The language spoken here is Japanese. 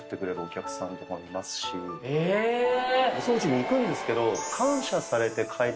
お掃除に行くんですけど。